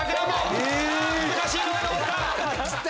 難しいのが残った。